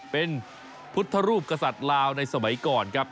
เป็นพุทธรูปกษัตริย์ลาวในสมัยก่อนครับ